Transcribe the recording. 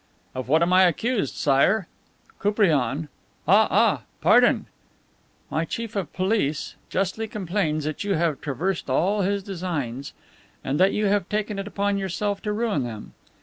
"Of what am I accused, Sire?" "Koupriane " "Ah! Ah! ... Pardon!" "My Chief of Police justly complains that you have traversed all his designs and that you have taken it upon yourself to ruin them.